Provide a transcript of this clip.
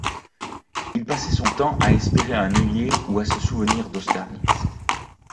Il passait son temps à espérer un œillet ou à se souvenir d’Austerlitz.